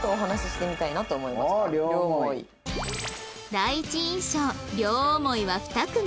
第一印象両思いは２組